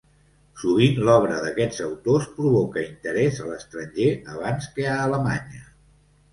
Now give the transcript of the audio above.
Sovint l'obra d'aquests autors provocà interés a l'estranger abans que a Alemanya.